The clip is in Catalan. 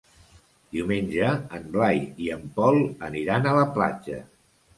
Diumenge en Blai i en Pol aniran a la platja.